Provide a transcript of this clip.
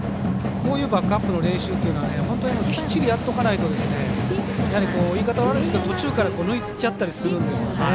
こういうバックアップの練習というのは本当にきっちりやっとかないと言い方悪いんですけど途中から抜いちゃったりするんですよね。